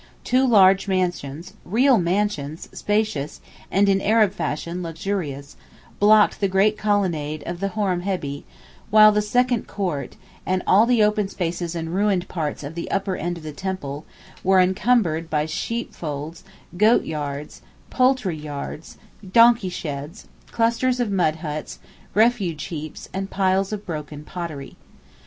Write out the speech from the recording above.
Two large mansions—real mansions, spacious and, in Arab fashion, luxurious,—blocked the great Colonnade of Horembebi; while the second court, and all the open spaces and ruined parts of the upper end of the Temple, were encumbered by sheepfolds, goat yards, poultry yards, donkey sheds, clusters of mud huts, refuse heaps, and piles of broken pottery.